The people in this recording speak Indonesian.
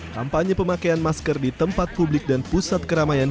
kampanye pemakaian masker di tempat publik dan pusat keramaian